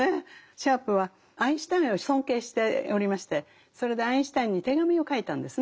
シャープはアインシュタインを尊敬しておりましてそれでアインシュタインに手紙を書いたんですね。